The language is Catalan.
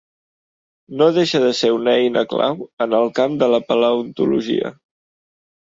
No deixa de ser una eina clau en el camp de la paleontologia.